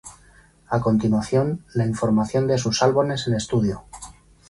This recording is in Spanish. A continuación, la información de sus álbumes en estudio.